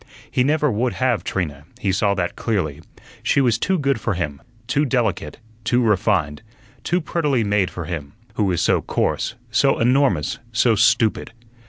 He never would have Trina, he saw that clearly. She was too good for him; too delicate, too refined, too prettily made for him, who was so coarse, so enormous, so stupid.